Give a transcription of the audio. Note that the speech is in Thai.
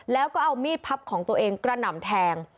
แล้วก็เอามีดพับของตัวเองกระหน่ำแทง